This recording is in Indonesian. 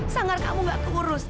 sanggar kamu gak keurus